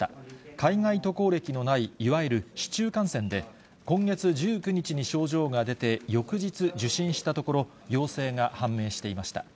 海外渡航歴のない、いわゆる市中感染で、今月１９日に症状が出て、翌日、受診したところ、陽性が判明していました。